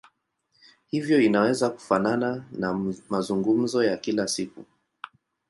Hivyo inaweza kufanana na mazungumzo ya kila siku.